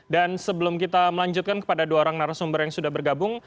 dan sebelum kita melanjutkan kepada dua narasumber yang sudah bergabung